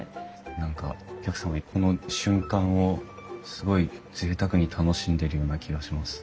何かお客様がこの瞬間をすごいぜいたくに楽しんでるような気がします。